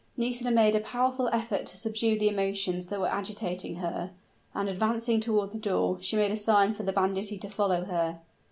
Nisida made a powerful effort to subdue the emotions that were agitating her: and, advancing toward the door, she made a sign for the banditti to follow her.